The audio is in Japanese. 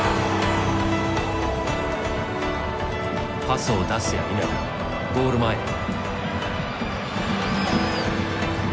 パスを出すやいなやゴール前へ。